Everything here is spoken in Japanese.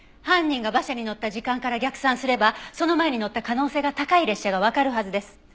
犯人が馬車に乗った時間から逆算すればその前に乗った可能性が高い列車がわかるはずです。